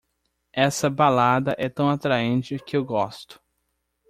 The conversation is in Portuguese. Essa balada é tão atraente que eu gosto!